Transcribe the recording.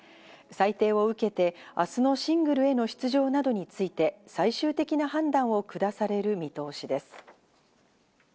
裁定を受けて、明日のシングルへの出場などについて、最終的な判断を下される見通しです。